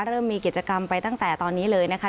เริ่มมีกิจกรรมไปตั้งแต่ตอนนี้เลยนะคะ